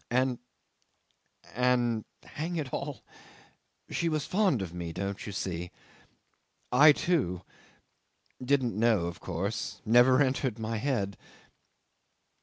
And and hang it all she was fond of me, don't you see. ... I too ... didn't know, of course ... never entered my head